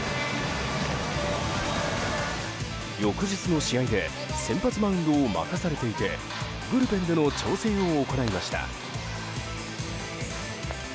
翌日の試合で先発マウンドを任されていてブルペンでの調整を行いました。